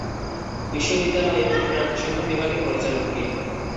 বিশ্ববিদ্যালয়ের ক্রীড়া প্রশিক্ষণ বিভাগের পরিচালক কে?